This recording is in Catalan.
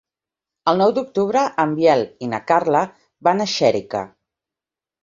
El nou d'octubre en Biel i na Carla van a Xèrica.